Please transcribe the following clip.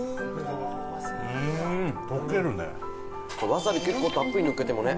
わさび結構たっぷりのっけてもね。